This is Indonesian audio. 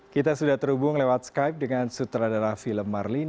kita sudah terhubung lewat skype dengan sutradara film marlina